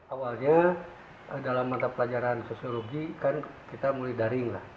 awalnya dalam mata pelajaran sosiologi kan kita mulai daring lah